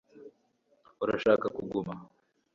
urashaka kuguma